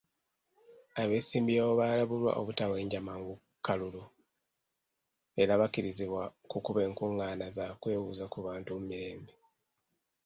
Abeesimbyewo baalabulwa obutawenja mangu kalulu era bakkirizibwa kukuba nkungaana za kwebuuza ku bantu mu mirembe.